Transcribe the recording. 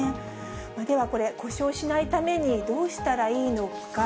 ではこれ、故障しないためにどうしたらいいのか。